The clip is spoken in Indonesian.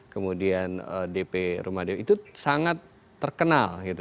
kemudian dp rumah dewi itu sangat terkenal gitu